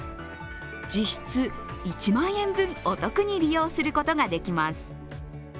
実質１万円分、お得に利用することができます。